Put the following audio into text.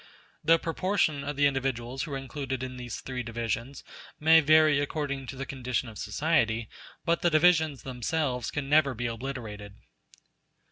The proportion of the individuals who are included in these three divisions may vary according to the condition of society, but the divisions themselves can never be obliterated.